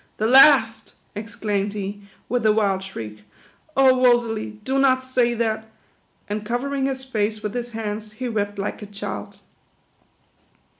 " "The last!" exclaimed he, with a wild shriek. " Oh, Rosalie, do not ^ay that!" and covering his face with his hands, he wept like a child.